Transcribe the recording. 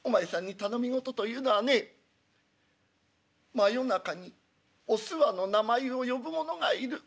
真夜中におすわの名前を呼ぶ者がいる。